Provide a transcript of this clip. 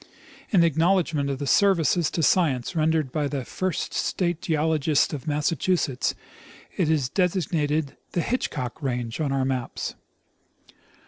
In acknowledgment of the services to science rendered by the first state geologist of Massachusetts, it is designated the Hitchcock range on our maps.